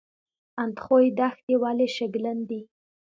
اندخوی دښتې ولې شګلن دي؟